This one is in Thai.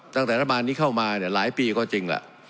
ตั้งแต่รัฐบาลนี้เข้ามาหลายปีก็จริงล่ะ